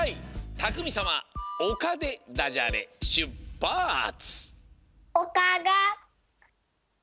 たくみさま「おか」でダジャレしゅっぱつ！